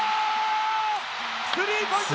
スリーポイント